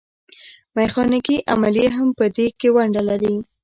میخانیکي عملیې هم په دې کې ونډه لري.